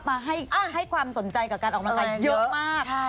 มาให้ความสนใจกับกันออกมากไปเยอะมาก